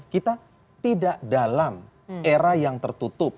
kita tidak dalam era yang tertutup